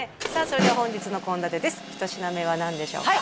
それでは本日の献立です一品目は何でしょうか？